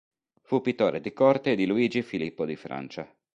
Fu pittore di corte di Luigi Filippo di Francia.